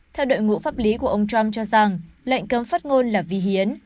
theo đội ngũ pháp lý của ông trump cho rằng lệnh cấm phát ngôn là vì hiến